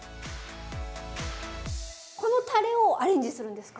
このたれをアレンジするんですか？